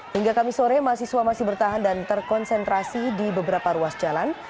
hingga kami sore mahasiswa masih bertahan dan terkonsentrasi di beberapa ruas jalan